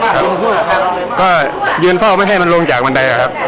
ครับก็ยืนเผ่าไม่ให้มันลงจากมันใดครับ